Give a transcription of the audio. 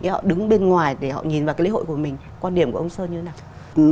họ đứng bên ngoài để họ nhìn vào cái lễ hội của mình quan điểm của ông sơn như thế nào